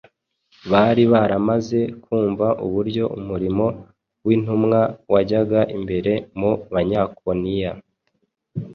bari baramaze kumva uburyo umurimo w’intumwa wajyaga imbere mu Banyakoniya